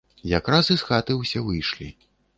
Якраз і з хаты ўсе выйшлі.